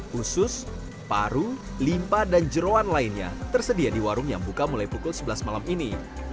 khusus paru limpa dan jerawan lainnya tersedia di warung yang buka mulai pukul sebelas malam ini